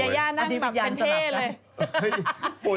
ย่านั่งแบบเป็นเท่เลย